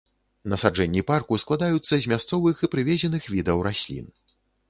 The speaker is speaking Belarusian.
Насаджэнні парку складаюцца з мясцовых і прывезеных відаў раслін.